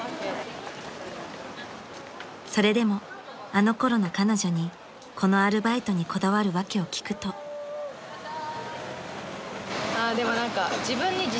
［それでもあのころの彼女にこのアルバイトにこだわる訳を聞くと］でも何か自分に。